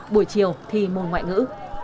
buổi chiều thi môn ngoại ngữ